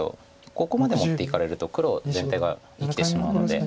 ここまで持っていかれると黒全体が生きてしまうので。